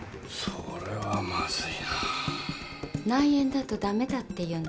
それはまずいなあ内縁だとダメだって言うんです。